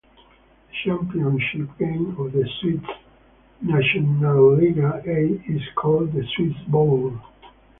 The championship game of the Swiss Nationalliga A is called the Swiss Bowl.